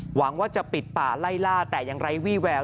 หวังว่าจะปิดป่าไล่ล่าแต่ยังไร้วี่แวว